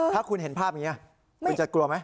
ถ้าคุณเห็นภาพนี้คุณจะกลัวไหม